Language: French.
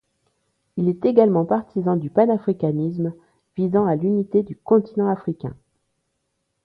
Il est également partisan du panafricanisme, visant à l'unité du continent africain.